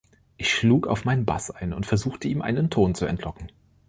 Ich schlug auf meinen Bass ein und versuchte, ihm einen Ton zu entlocken.